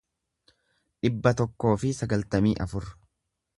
dhibba tokkoo fi sagaltamii afur